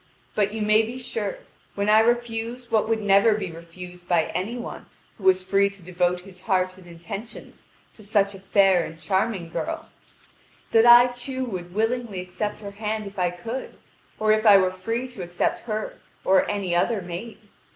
But, you may be sure, when I refuse what would never be refused by any one who was free to devote his heart and intentions to such a fair and charming girl, that I too would willingly accept her hand if I could, or if I were free to accept her or any other maid.